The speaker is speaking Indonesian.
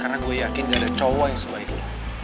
karena gue yakin gak ada cowok yang sebaik lo